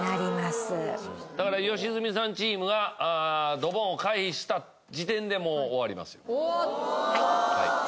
だから良純さんチームがドボンを回避した時点でもう終わりますよ。